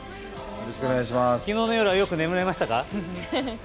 昨日の夜はよく眠れましたか？